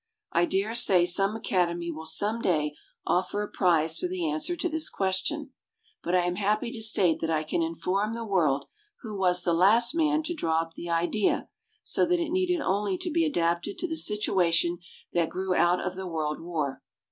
I dare say some Academy will some day offer a prize for the answer to this question. But I am happy to state that I can Inform the world who was the last man to draw up the idea so that it needed only to be adapted to the situation that grew out of the world war.